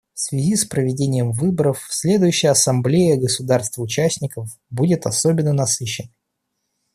В связи с проведением выборов следующая Ассамблея государств-участников будет особенно насыщенной.